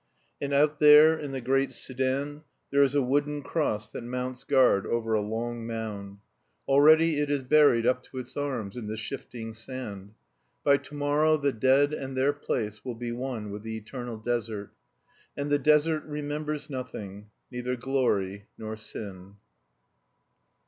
And out there, in the great Soudan, there is a wooden cross that mounts guard over a long mound. Already it is buried up to its arms in the shifting sand; by to morrow the dead and their place will be one with the eternal desert. And the desert remembers nothing, neither glory nor sin.